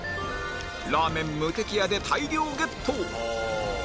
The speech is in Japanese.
ラーメン無敵家で大量ゲット！